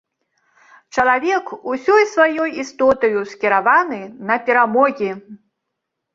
Чалавек усёй сваёй істотаю скіраваны на перамогі.